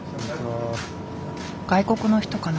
外国の人かな？